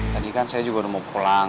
tadi kan saya juga udah mau pulang